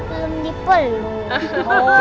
pak aku belum dipeluk